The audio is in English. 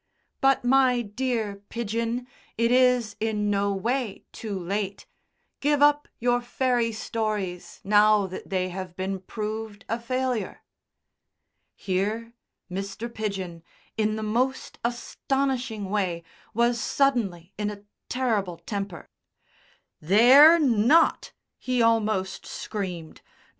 "But, my dear Pidgen, it is in no way too late. Give up your fairy stories now that they have been proved a failure." Here Mr. Pidgen, in the most astonishing way, was suddenly in a terrible temper. "They're not!" he almost screamed.